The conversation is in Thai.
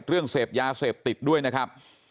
เรื่องเสพยาเสพติดด้วยนะครับ